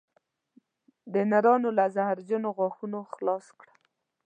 د نرانو له زهرجنو غاښونو خلاص کړم